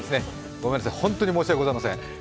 ごめんなさい、本当に申し訳ございません。